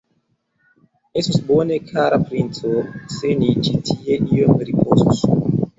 Estus bone, kara princo, se ni ĉi tie iom ripozus.